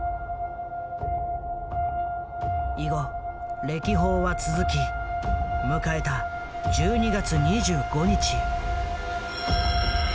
以後歴訪は続き迎えた１２月２５日。